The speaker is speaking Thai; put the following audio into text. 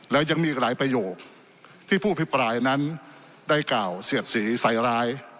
แล้วยังมีอีกหลายประโยคที่ผู้อภิปรายนั้นได้กล่าวเสียดสีใส่ร้าย